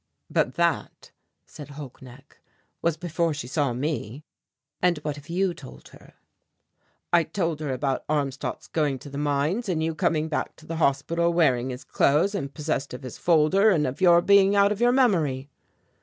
"But that," said Holknecht, "was before she saw me." "And what have you told her?" "I told her about Armstadt's going to the mines and you coming back to the hospital wearing his clothes and possessed of his folder and of your being out of your memory."